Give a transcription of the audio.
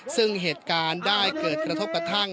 ซึ่งเหตุการณ์ได้เกิดกระทบกระทั่ง